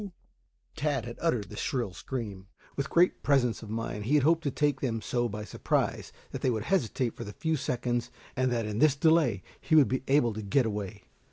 Tad had uttered the shrill scream. With great presence of mind he hoped to take them so by surprise that they would hesitate for the few seconds, and that in this delay he would be able to get away.